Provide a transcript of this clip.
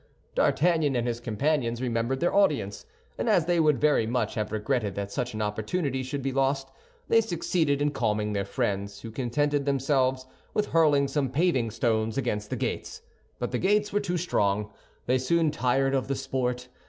D'Artagnan and his companions remembered their audience, and as they would very much have regretted that such an opportunity should be lost, they succeeded in calming their friends, who contented themselves with hurling some paving stones against the gates; but the gates were too strong. They soon tired of the sport.